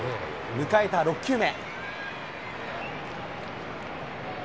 迎えた６球目。